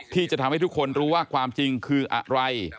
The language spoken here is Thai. ที่จะทำให้ทุกคนรู้ว่าความจริงคืออะไร